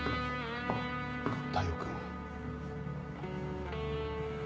大陽君。